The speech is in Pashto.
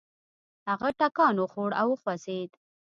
هغه ټکان وخوړ او وخوځېد.